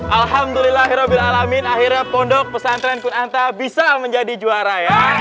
alhamdulillah akhirnya pondok pesantren kunanta bisa menjadi juara